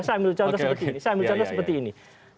saya ambil contoh seperti ini